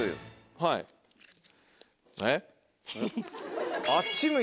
はいえっ？